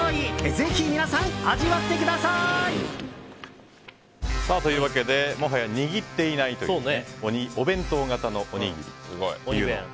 ぜひ皆さん、味わってください！というわけでもはや握っていないというお弁当型のおにぎり、おに弁。